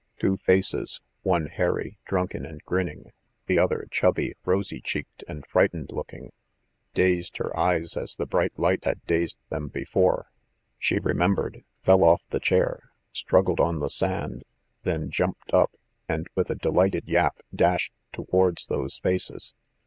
Two faces, one hairy, drunken and grinning, the other chubby, rosy cheeked and frightened looking, dazed her eyes as the bright light had dazed them before. ... She remembered, fell off the chair, struggled on the sand, then jumped up, and with a delighted yap dashed towards those faces.